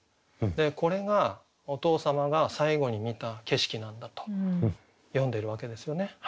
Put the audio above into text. これがお父様が最後に観た景色なんだと詠んでるわけですよね。